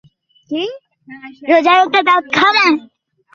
মাঝে মাঝে, আমি তার কন্ঠস্বর শুনি।